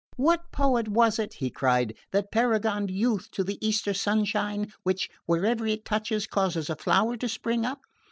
"What poet was it," he cried, "that paragoned youth to the Easter sunshine, which, wherever it touches, causes a flower to spring up?